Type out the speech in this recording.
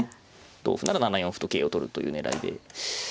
同歩なら７四歩と桂を取るという狙いで。